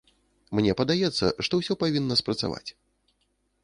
Мне падаецца, што ўсё павінна спрацаваць.